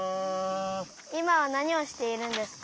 いまはなにをしているんですか？